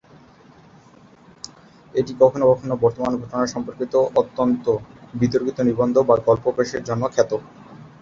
এটি কখনও কখনও বর্তমান ঘটনা সম্পর্কিত অত্যন্ত বিতর্কিত নিবন্ধ বা গল্প প্রকাশের জন্য খ্যাত।